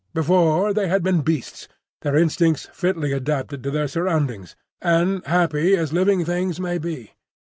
Before, they had been beasts, their instincts fitly adapted to their surroundings, and happy as living things may be.